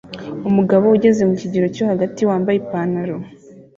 Umugabo ugeze mu kigero cyo hagati wambaye ipantaro